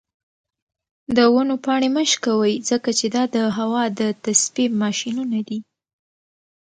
د ونو پاڼې مه شکوئ ځکه چې دا د هوا د تصفیې ماشینونه دي.